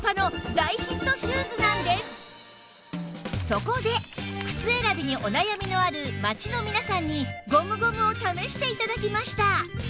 そこで靴選びにお悩みのある街の皆さんにゴムゴムを試して頂きました！